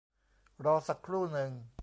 รอสักครู่หนึ่ง